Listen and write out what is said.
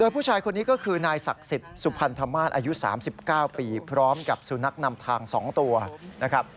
พร้อมกับสู่นักนำทาง๒ตัวนะครับ